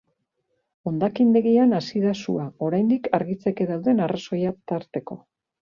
Hondakindegian hasi da sua, oraindik argitzeke dauden arrazoiak tarteko.